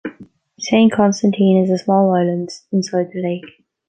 Saint Constantine is a small island inside the lake.